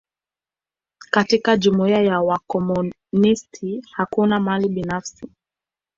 Katika jumuia ya wakomunisti, hakuna mali binafsi.